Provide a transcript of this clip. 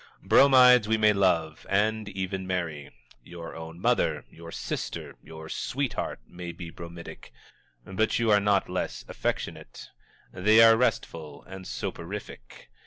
Bromides we may love, and even marry. Your own mother, your sister, your sweetheart, may be bromidic, but you are not less affectionate. They are restful and soporific.